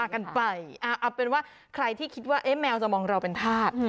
แค่ใครที่คิดว่าแมวจะมองเราเป็นทาส